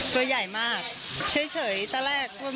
ตัวใหญ่มากเฉยตั้งแต่แรก